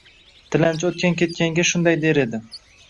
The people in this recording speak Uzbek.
Tilanchi o`tgan-ketganga shunday der edi